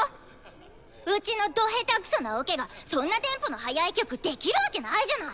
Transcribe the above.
うちのド下手くそなオケがそんなテンポの速い曲できるわけないじゃない！